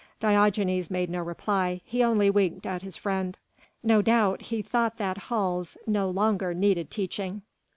Diogenes made no reply, he only winked at his friend. No doubt he thought that Hals no longer needed teaching.